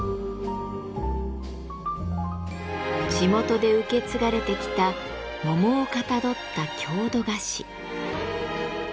地元で受け継がれてきた桃をかたどった郷土菓子。